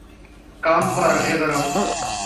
Count কর এগারো।